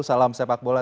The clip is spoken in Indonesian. salam sepak bola